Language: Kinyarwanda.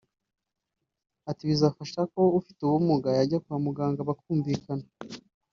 Ati “Bizafasha ko ufite ubumuga yajya kwa muganga bakumvikana